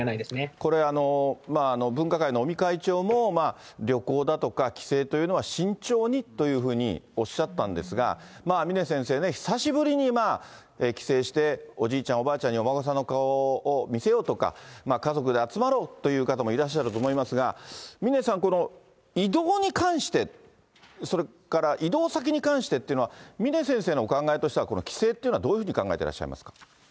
これ、分科会の尾身会長も、旅行だとか帰省というのは慎重にというふうにおっしゃったんですが、峰先生、久しぶりに帰省して、おじいちゃん、おばあちゃんにお孫さんの顔を見せようとか、家族で集まろうという方もいらっしゃると思いますが、峰さん、この移動に関して、それから移動先に関してっていうのは、峰先生のお考えとしては、この帰省というのはどういうふうに考えていらっしゃいますか。